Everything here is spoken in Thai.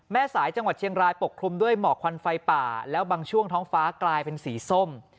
แม่สายจังหวัดเชียงรายปกคลุมด้วยหมอกควันไฟป่าแล้วบางช่วงท้องฟ้ากลายเป็นสีส้ม